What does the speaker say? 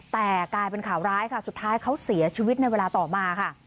แต่กลายเป็นข่าวร้ายค่ะสุดท้ายเขาเสียชีวิตในเวลาต่อมาค่ะ